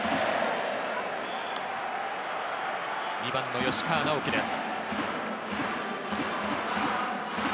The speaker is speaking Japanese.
２番の吉川尚輝です。